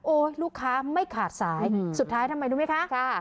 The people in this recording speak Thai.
ลูกค้าไม่ขาดสายสุดท้ายทำไมรู้ไหมคะ